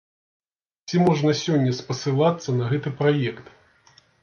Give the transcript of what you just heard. Ці можна сёння спасылацца на гэты праект?